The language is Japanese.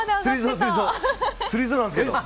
つりそうなんですけど！